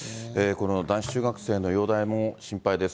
この男子中学生の容体も心配です。